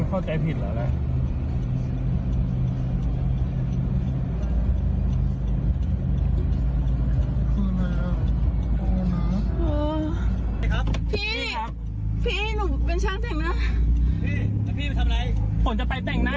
พี่เข้าใจผิดหรือเปล่าหนุ่มเป็นช่างแต่งหน้านะ